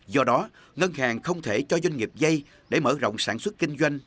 do đó ngân hàng không thể cho doanh nghiệp dây để mở rộng sản xuất kinh doanh